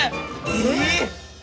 えっ！